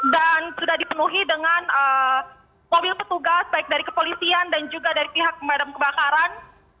dan sudah dipenuhi dengan mobil petugas baik dari kepolisian dan juga dari pihak pemadam kebakaran